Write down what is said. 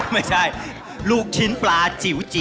ไม่ใช่ลูกชิ้นปลาจิ๋วจิ๋ว